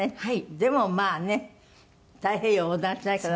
でもまあね太平洋横断しなきゃ。